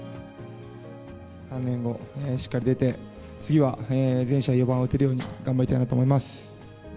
３年後、しっかり出て、次は全試合４番を打てるように、頑張りたいなと思います。